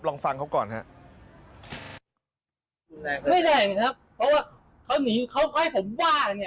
ลองฟังเขาก่อนครับ